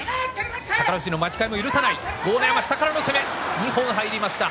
二本入りました。